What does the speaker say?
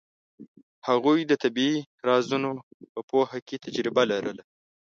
هغوی د طبیعي رازونو په پوهه کې تجربه لرله.